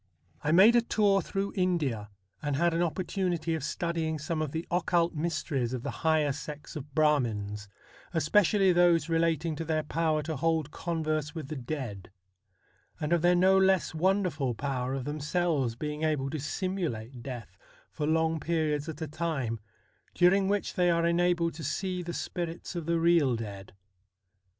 I made a tour through India, and had an opportunity of studying some of the occult mysteries of the higher sects of Brahmins, especially those relating to their power to hold converse with the dead ; and of their no less wonderful power of themselves being able to simulate death for long periods at a time, during which they are enabled to see the spirits of the real dead.